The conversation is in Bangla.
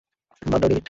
বাদ দাও, ডেভিড!